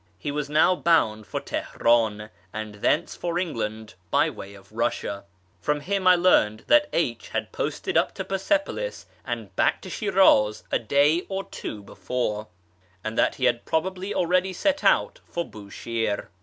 He was now bound for Teheran, and thence for England by way of Paissia. From him I learned that H had posted up to Persepolis and back to Shiriiz a day or two before, and that he had probably already set out for Bushire.